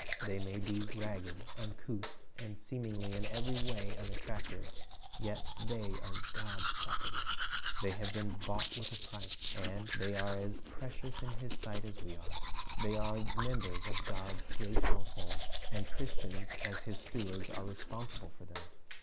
They may be ragged, uncouth, and seemingly in every way unattractive; yet they are God's property. They have been bought with a price, and they are as 1 Gal. 3 : 28 ; Eph. 2:13 2 Matt. 10 : 8 ''IV/io Is My Neighbor r' 3^7 precious in His sight as we are. They are members of God's great household, and Christians as His stewards are responsible for them.